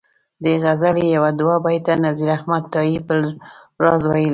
دې غزلي یو دوه بیته نذیر احمد تائي بل راز ویلي.